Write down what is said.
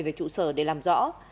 về trụ sở để làm rõ